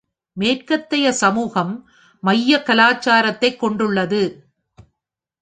மேற்கத்திய சமூகம் மைய கலாச்சாரத்தைக் கொண்டுள்ளது.